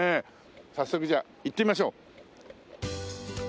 早速じゃあ行ってみましょう。